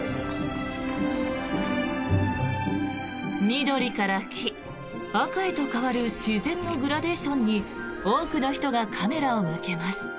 緑から黄、赤へと変わる自然のグラデーションに多くの人がカメラを向けます。